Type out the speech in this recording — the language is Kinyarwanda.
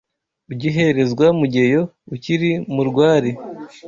Ugiherezwa Mugeyo ukiri mu rwari